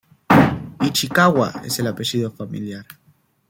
Ichikawa es el apellido familiar.